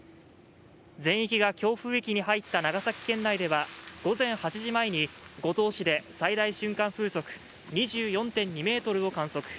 全域が強風域に入った長崎県内では午前８時前に五島市で最大瞬間風速２４．２メートルを観測。